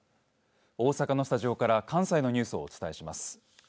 大阪のスタジオから関西のニュースをお伝えします。